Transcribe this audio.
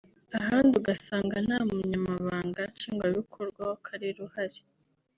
ahandi ugasanga nta Munyamabanga Nshingwabikorwa w’Akarere uhari